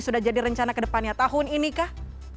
sudah jadi rencana ke depannya tahun ini kah